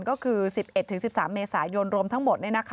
ก็คือ๑๑๑๑๓เมษายนรวมทั้งหมด